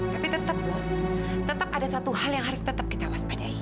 tapi tetap pun tetap ada satu hal yang harus tetap kita waspadai